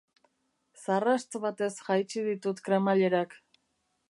Zarrast batez jaitsi ditut kremailerak.